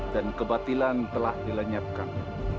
dan kebatilan telah dilenyapkan